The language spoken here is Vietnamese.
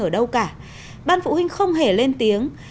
ở đâu cả ban phụ huynh không hề lên tiếng